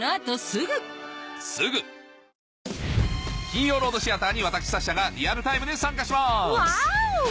金曜ロードシアターに私サッシャがリアルタイムで参加しますワオ！